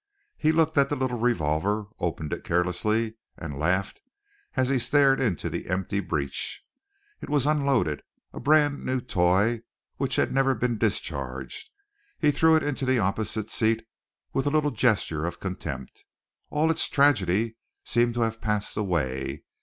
He looked at the little revolver, opened it carelessly, and laughed as he stared into the empty breech. It was unloaded, a brand new toy which had never been discharged. He threw it into the opposite seat with a little gesture of contempt. All its tragedy seemed to have passed away.